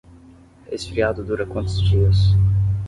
Resfriado dura quantos dias?